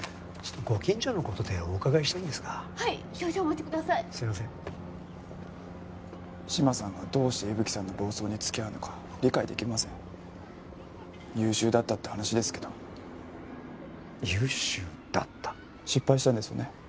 ちょっとご近所のことでお伺いしたいんですがはい少々お待ちくださいすいません志摩さんがどうして伊吹さんの暴走につきあうのか理解できません優秀だったって話ですけど優秀だった失敗したんですよね